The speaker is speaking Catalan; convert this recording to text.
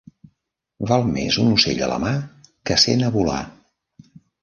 Val més un ocell a la mà que cent a volar.